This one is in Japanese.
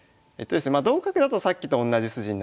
まあ同角だとさっきと同じ筋になりますよね。